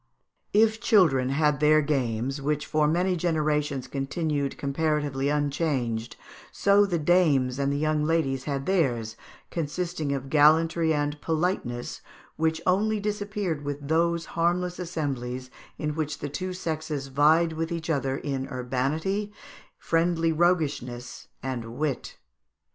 ] If children had their games, which for many generations continued comparatively unchanged, so the dames and the young ladies had theirs, consisting of gallantry and politeness, which only disappeared with those harmless assemblies in which the two sexes vied with each other in urbanity, friendly roguishness, and wit.